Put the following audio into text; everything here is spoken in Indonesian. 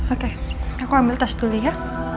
oke aku ambil tas dulu ya